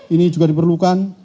ini juga diperlukan